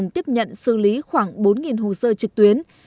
tiếp nhận xử lý khoảng bốn hồ sơ trực tuyến